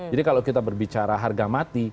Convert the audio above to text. jadi kalau kita berbicara harga matang